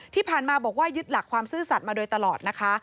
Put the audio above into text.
ที่ผ่านมาบอกว่ายึดหลักความซื่อสัตว์มาโดยตลอดนะคะ